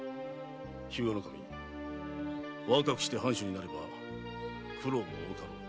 日向守若くして藩主になれば苦労も多かろう。